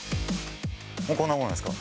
こんなもんですか？